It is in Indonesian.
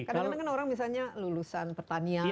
kadang kadang kan orang misalnya lulusan pertanian